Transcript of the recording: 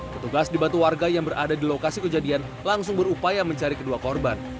petugas dibantu warga yang berada di lokasi kejadian langsung berupaya mencari kedua korban